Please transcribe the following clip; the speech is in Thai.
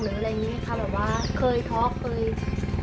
หรืออะไรอย่างนี้ค่ะแบบว่าเคยพูด